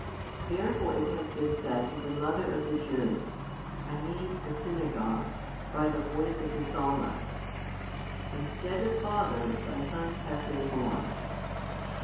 Therefore it has been said to the mother of the Jews, I mean the synagogue, by the voice of the Psalmist: Instead of fathers thy sons have been born.